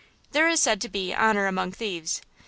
There is said to be "honor among thieves."